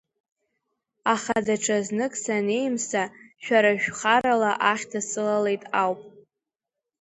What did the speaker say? Аха даҽазнык санеимса, шәара шәхарала ахьҭа сылалеит ауп.